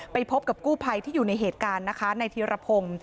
พบกับกู้ภัยที่อยู่ในเหตุการณ์นะคะในธีรพงศ์